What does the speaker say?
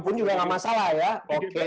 dua ribu pun juga nggak masalah ya oke